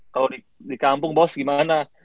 kalau di kampung bos gimana